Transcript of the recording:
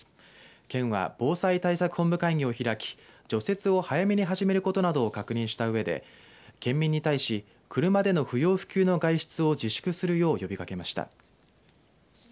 県は防災対策本部会議を開き除雪を早めに始めることなどを確認したうえで県民に対し車での不要不急の外出を自粛するよう呼びかけました。